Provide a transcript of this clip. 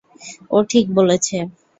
ও ঠিক বলেছে।